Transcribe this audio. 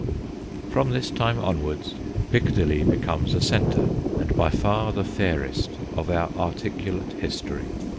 From this time onwards Piccadilly be comes a centre, and by far the fairest, of our articulate history.